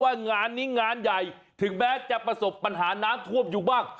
งานนี้งานใหญ่ถึงแม้จะประสบปัญหาน้ำท่วมอยู่บ้าง